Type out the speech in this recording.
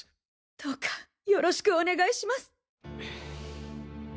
どうかよろしくお願いします。